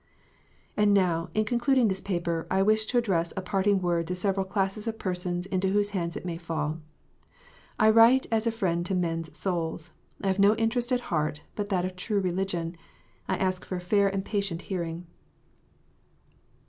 And now, in concluding this paper, I wish to address a parting word to several classes of persons into whose hands it may fall. I write as a friend to men s souls. I have no interest at heart but that of true religion. I ask for a fair and patient hearing.